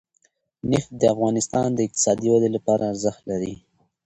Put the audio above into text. نفت د افغانستان د اقتصادي ودې لپاره ارزښت لري.